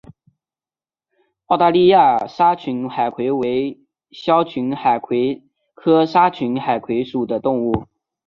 澳大利亚沙群海葵为鞘群海葵科沙群海葵属的动物。